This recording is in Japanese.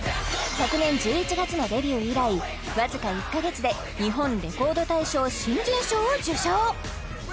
昨年１１月のデビュー以来わずか１か月で日本レコード大賞新人賞を受賞